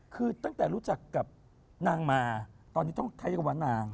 คือตั้งแต่รู้จักกับนางมาตอนนี้ต้องไทยกรรมนาง